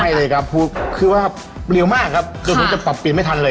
ไม่เลยครับคือว่าเร็วมากครับจนผมจะปรับเปลี่ยนไม่ทันเลย